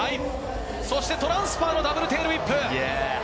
そしてトランスファーのダブルテールウィップ。